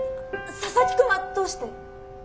佐々木くんはどうして？